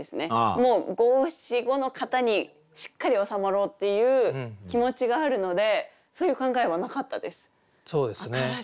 もう五七五の型にしっかり収まろうっていう気持ちがあるのでそういう考えはなかったです。